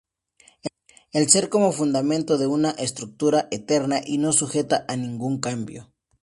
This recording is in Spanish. El ser como fundamento de una estructura eterna y no sujeta a ningún cambio.